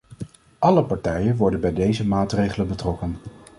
Alle partijen worden bij deze maatregelen betrokken.